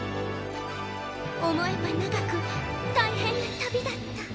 思えば長く大変な旅だった。